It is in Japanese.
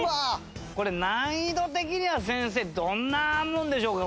これ難易度的には先生どんなもんでしょうか？